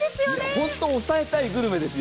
本当抑えたいグルメですよね。